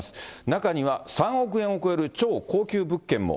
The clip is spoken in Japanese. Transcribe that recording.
中には３億円を超える超高級物件も。